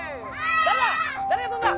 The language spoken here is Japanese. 誰だ誰が捕るんだ。